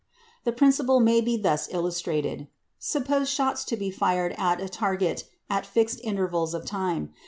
The principle may be thus illustrated. Suppose shots to be fired at a target at fixed intervals of time.